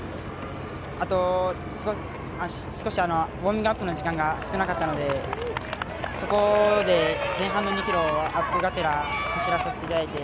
あと、少しウォーミングアップの時間が少なかったのでそこで、前半の２ｋｍはアップがてら走らせていただいて。